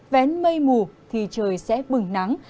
vén mây mù thì trời sẽ bừng nắng